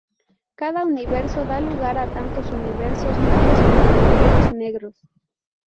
Cada universo da lugar a tantos universos nuevos como agujeros negros.